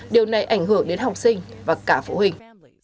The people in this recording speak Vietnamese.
điều này ảnh hưởng đến học sinh và cả phụ huynh